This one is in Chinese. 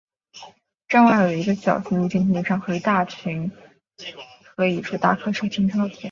站外有一个小型露天停车场和一处大客车停靠点。